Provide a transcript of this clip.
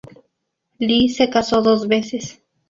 Li se casó dos veces.